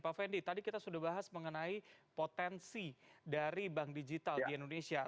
pak fendi tadi kita sudah bahas mengenai potensi dari bank digital di indonesia